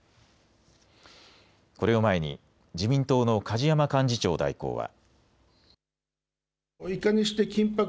これを前に自民党の梶山幹事長代行は。